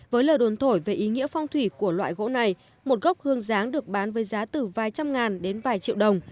với lời đồn thổi về ý nghĩa phong thủy của loại gỗ này một gốc hương giáng được bán với giá từ vài trăm ngàn đến vài triệu đồng